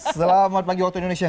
selamat pagi waktu indonesia